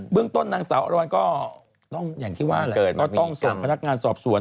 เบื้องต้นนางสาวอรวรติก็ต้องส่งพนักงานสอบสวน